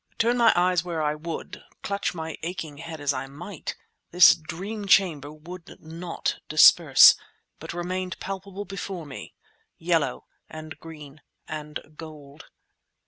Turn my eyes where I would, clutch my aching head as I might, this dream chamber would not disperse, but remained palpable before me—yellow and green and gold.